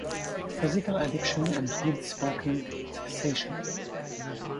Physical addiction impedes smoking cessation.